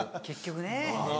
結局ね。